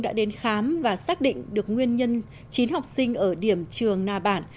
đã đến khám và xác định được nguyên nhân chín học sinh ở điểm trường nà bản